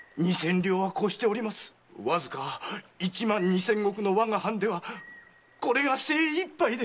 わずか一万二千石の我が藩ではこれが精一杯で。